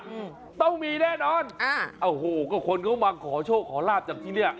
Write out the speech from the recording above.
อืมต้องมีแน่นอนอ่าโอ้โหก็คนเขามาขอโชคขอลาบจากที่เนี้ย